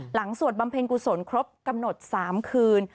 สวดบำเพ็ญกุศลครบกำหนด๓คืน